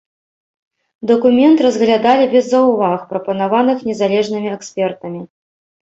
Дакумент разглядалі без заўваг, прапанаваных незалежнымі экспертамі.